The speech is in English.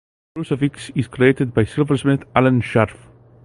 The crucifix is created by silversmith Allan Scharf.